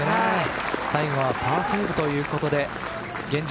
最後はパーセーブということで現状